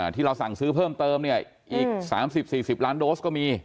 ที่เราสั่งซื้อเพิ่มเติมเนี่ยอีก๓๐๔๐ล้านโดสก็มี